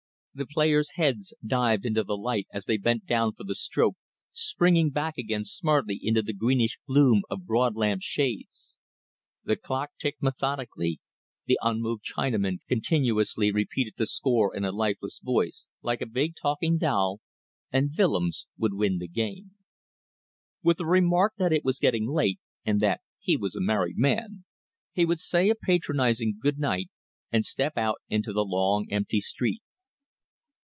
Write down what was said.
The players' heads dived into the light as they bent down for the stroke, springing back again smartly into the greenish gloom of broad lamp shades; the clock ticked methodically; the unmoved Chinaman continuously repeated the score in a lifeless voice, like a big talking doll and Willems would win the game. With a remark that it was getting late, and that he was a married man, he would say a patronizing good night and step out into the long, empty street.